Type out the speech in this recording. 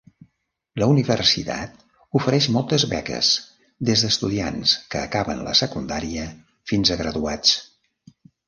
La universitat ofereix moltes beques des de estudiants que acaben la secundària fins a graduats.